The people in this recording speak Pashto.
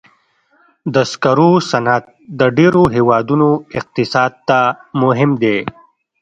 د سکرو صنعت د ډېرو هېوادونو اقتصاد ته مهم دی.